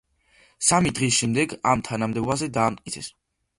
სამი დღის შემდეგ ამ თანამდებობაზე დაამტკიცეს.